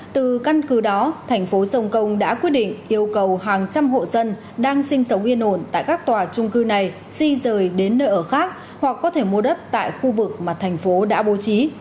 từ căn cứ đó thành phố sông công đã quyết định yêu cầu hàng trăm hộ dân đang sinh sống yên ổn tại các tòa trung cư này di rời đến nơi ở khác hoặc có thể mua đất tại khu vực mà thành phố đã bố trí